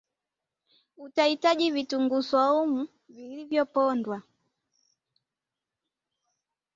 utahitaji Vitunguu swaumu vilivyopondwa